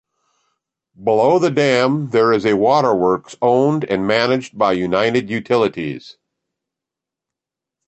Below the dam there is a waterworks owned and managed by United Utilities.